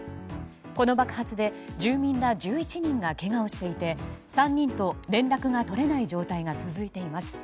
この爆発で住民ら１１人がけがをしていて３人と連絡が取れない状態が続いています。